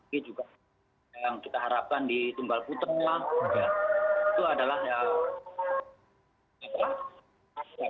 meraih medali ya